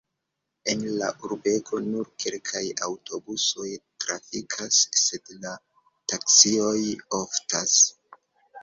En la urbego nur kelkaj aŭtobusoj trafikas, sed la taksioj oftas.